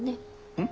うん？